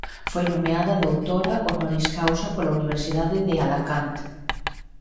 Foi nomeada doutora "honoris causa" pola Universidade de Alacant.